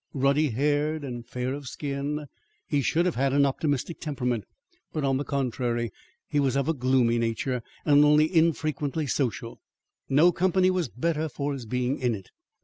Ruddy haired and fair of skin, he should have had an optimistic temperament; but, on the contrary, he was of a gloomy nature, and only infrequently social. No company was better for his being in it.